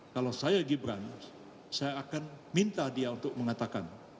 kalau saya gibran saya akan minta dia untuk mengatakan